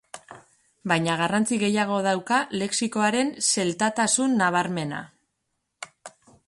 Baina garrantzi gehiago dauka lexikoaren zeltatasun nabarmena.